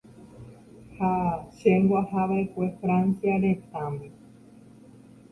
Ha chéngo ahava'ekue Francia retãme.